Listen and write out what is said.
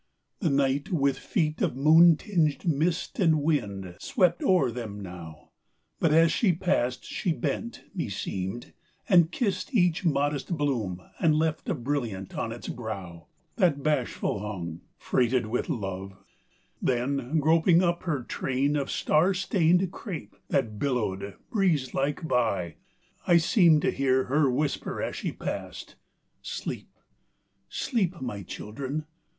The Night with feet of moon tinged mist and wind Swept o'er them now, but as she passed she bent, Meseemed, and kissed each modest bloom and left A brilliant on its brow, that bashful hung, Freighted with love: then, groping up her train Of star stained crape, that billowed breeze like by, I seemed to hear her whisper as she passed: "Sleep, sleep, my children!